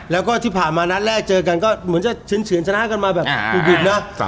แล้วก็ที่ผ่านมานัดแรกเจอกันก็เหมือนจะเฉินชนะกันมาแบบบุดบิดเนอะ